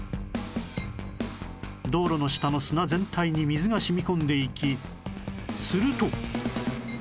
道路の下の砂全体に水が染み込んでいきすると